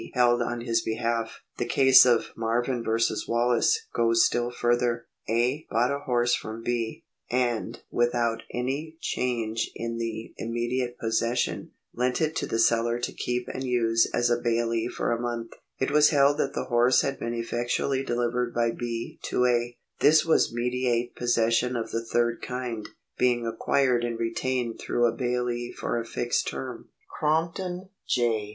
held on his behalf. The case of Marvin v. Wallace * goes still further. A. bought a horse from B., and, without any 1 (1893) 2 Q. B. 30, 31. 2 1 Taunt. 458 ; 10 R. R. 578. 3 6 El. & B. 726. §101] POSSESSION 255 change in the immediate possession, lent it to the seller to keep and use as a bailee for a month. It was held that the horse had been effectually delivered by B. to A. This was mediate possession of the third kind, being acquired and retained through a bailee for a fixed term. Cromp ton, J.